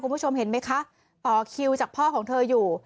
คุณผู้ชมเห็นไหมคะต่อคิวจากพ่อของเธออยู่